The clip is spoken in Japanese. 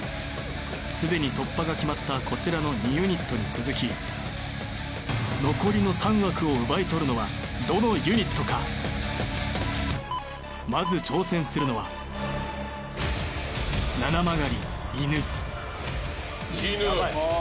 既に突破が決まったこちらの２ユニットに続き残りの３枠を奪い取るのはどのユニットかまず挑戦するのはいぬ！